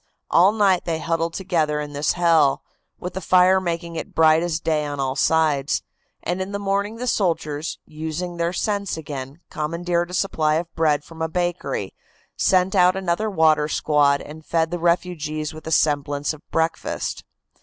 All night they huddled together in this hell, with the fire making it bright as day on all sides; and in the morning the soldiers, using their sense again, commandeered a supply of bread from a bakery, sent out another water squad, and fed the refugees with a semblance of breakfast.